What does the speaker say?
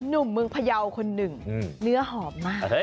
หนุ่มเมืองพยาวคนหนึ่งเนื้อหอมมาก